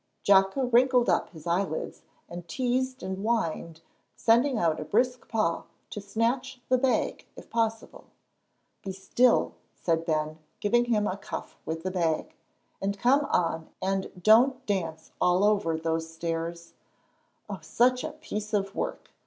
Jocko wrinkled up his eyelids and teased and whined, sending out a brisk paw to snatch the bag if possible. "Be still," said Ben, giving him a cuff with the bag, "and come on and don't dance all over those stairs. Oh, such a piece of work!"